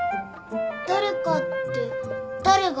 誰かって誰が？